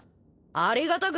ありがたく。